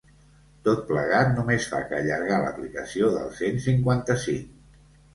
Tot plegat només fa que allargar l’aplicació del cent cinquanta-cinc.